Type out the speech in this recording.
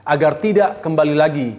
agar tidak kembali lagi